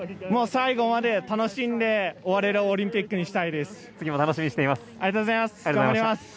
最後まで楽しんで終われるオリンピックにしたいです。